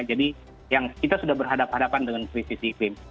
jadi yang kita sudah berhadapan hadapan dengan krisis iklim